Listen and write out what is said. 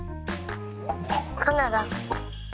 カナダ。